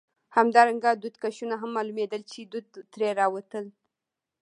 همدارنګه دودکشونه هم معلومېدل، چې دود ترې وتل.